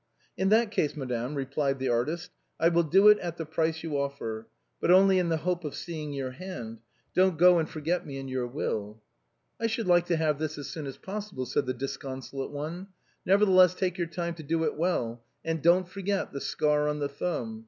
" In that case, madame," replied the artist, " I will do it at the price you offer — but only in the hope of seeing your hand. Don't go and forget me in your will." " I should like to have this as soon as possible," said the disconsolate one ;" nevertheless, take your time to do it well; and don't forget the scar on the thumb.